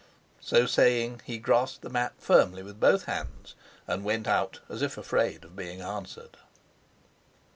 So saying, he grasped the map firmly with both hands, and went out as if afraid of being answered.